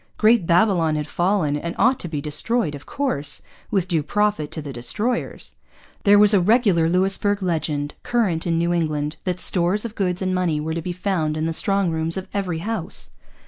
Great Babylon had fallen, and ought to be destroyed of course, with due profit to the destroyers. There was a regular Louisbourg legend, current in New England, that stores of goods and money were to be found in the strong rooms of every house.